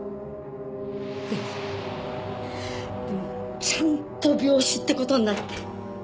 でもでもちゃんと病死って事になって。